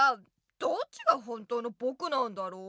どっちが本当のぼくなんだろう？